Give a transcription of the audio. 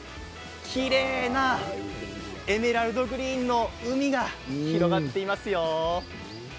きれいなエメラルドグリーンの海が広がっていますよ。